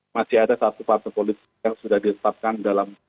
masih ada satu partai politik yang sudah ditetapkan dalam